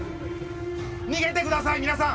逃げてください皆さん！